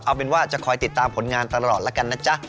เอาเป็นว่าจะคอยติดตามผลงานตลอดแล้วกันนะจ๊ะ